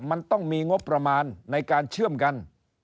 มันต้องมีงบประมาณในการเชื่อมกัน